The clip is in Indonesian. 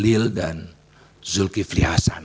bahlil dan suluki vli hasan